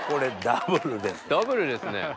ダブルですね。